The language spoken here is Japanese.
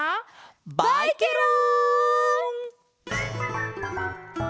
バイケロン！